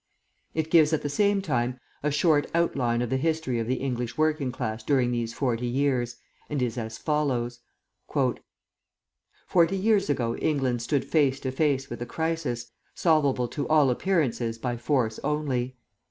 It gives at the same time a short outline of the history of the English working class during these forty years, and is as follows: "Forty years ago England stood face to face with a crisis, solvable to all appearances by force only.